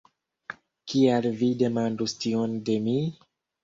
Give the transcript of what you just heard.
Kial vi demandus tion de mi?